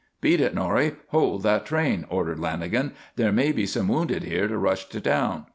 "Beat it, Norrie! Hold that train," ordered Lanagan. "There may be some wounded here to rush to town.